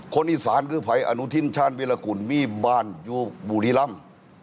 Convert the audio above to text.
คนอีสานคือภัยอนุทินชาญวิรากุลมีบ้านอยู่บุรีรำ